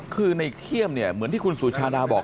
คือในเขี้ยมเนี่ยเหมือนที่คุณสุชาดาบอก